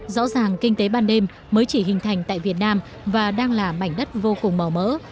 rõ ràng kinh tế ban đêm mới chỉ hình thành tại việt nam và đang là mảnh đất vô cùng màu mỡ